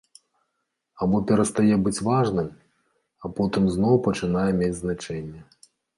Або перастае быць важным, а потым зноў пачынае мець значэнне.